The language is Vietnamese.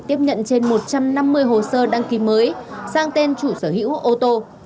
tiếp nhận trên một trăm năm mươi hồ sơ đăng ký mới sang tên chủ sở hữu ô tô